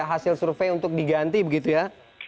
hasil survei untuk diganti begitu ya